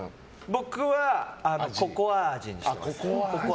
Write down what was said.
僕はココア味にしてます。